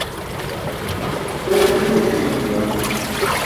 Tole c̣ʰiyo uci gim juwan.